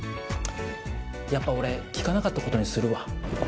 やっぱ俺聞かなかったことにするわ